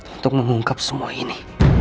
untuk mengungkap semua ini